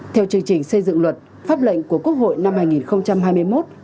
theo chương trình xây dựng luật pháp lệnh của quốc hội năm hai nghìn hai mươi một hai nghìn hai mươi hai